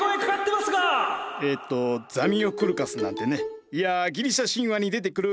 えっとザミオクルカスなんてねいやギリシャ神話に出てくる